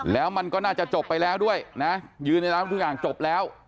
แล้วมันก็น่าจะจบไปแล้วด้วยนะยืนได้แล้วทุกอย่างจบแล้ว